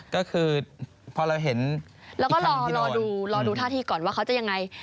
ก็คือพอเราเห็นอีกคันที่โดนแล้วก็รอดูรอดูท่าที่ก่อนว่าเขาจะยังไง